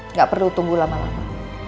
nggak perlu tunggu lama lama